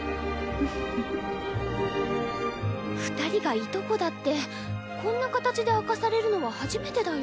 二人がいとこだってこんな形で明かされるのは初めてだよ。